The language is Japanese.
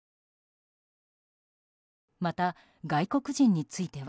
また外国人については。